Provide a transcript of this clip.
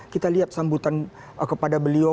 kita lihat sambutan kepada beliau